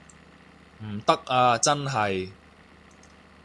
唔得啊真係